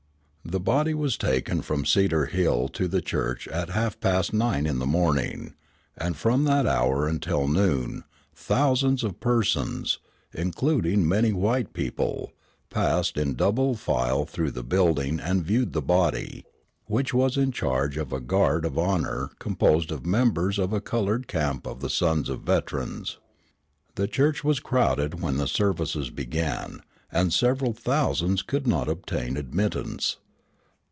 The body was taken from Cedar Hill to the church at half past nine in the morning; and from that hour until noon thousands of persons, including many white people, passed in double file through the building and viewed the body, which was in charge of a guard of honor composed of members of a colored camp of the Sons of Veterans. The church was crowded when the services began, and several thousands could not obtain admittance.